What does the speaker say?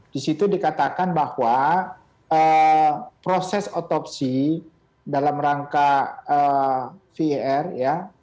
di situ dikatakan bahwa proses otopsi dalam rangka vr ya